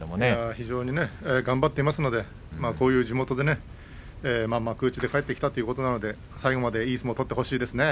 非常に頑張っていますのでこういう地元で幕内へ帰ってきたということなので最後までいい相撲を取ってほしいですね。